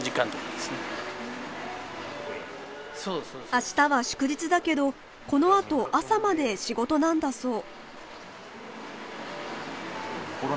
明日は祝日だけどこのあと朝まで仕事なんだそう。